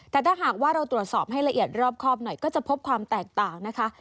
แต่ถ้าหากว่าเราตรวจสอบให้ละเอียดรอบครอบหน่อยก็จะพบความแตกต่างนะคะ